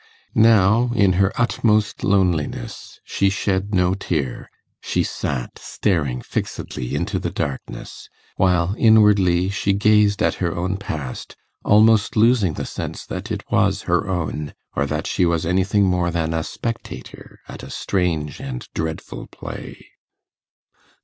Now, in her utmost loneliness, she shed no tear: she sat staring fixedly into the darkness, while inwardly she gazed at her own past, almost losing the sense that it was her own, or that she was anything more than a spectator at a strange and dreadful play.